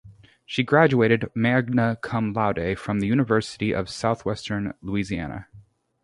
She graduated magna cum laude from the University of Southwestern Louisiana.